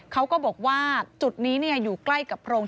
เขาก็บอกว่าจุดนี้อยู่ใกล้กับโรง